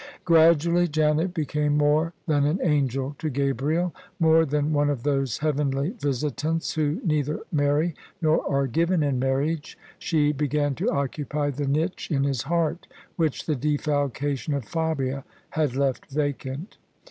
Gradually Janet became more than an angel to Gabriel — more than one of those heavenly visitants who neither marry nor are given in marriage : she began to occupy the niche in his heart which the defalcation of Fabia had left vacant.